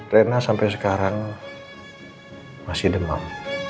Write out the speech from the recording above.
rena sampai sekarang masih demam